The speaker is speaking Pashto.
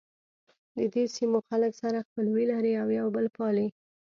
ددې سیمو خلک سره خپلوي لري او یو بل پالي.